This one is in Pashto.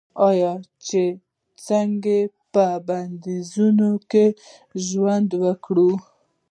آیا چې څنګه په بندیزونو کې ژوند وکړو؟